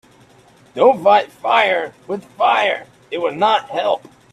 Don‘t fight fire with fire, it would not help.